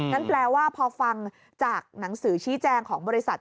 แปลว่าพอฟังจากหนังสือชี้แจงของบริษัท